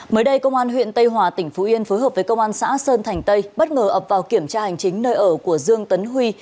mới đây công an huyện tây hòa tỉnh phú yên phối hợp với công an xã sơn thành tây bất ngờ ập vào kiểm tra hành chính nơi ở của dương tấn huy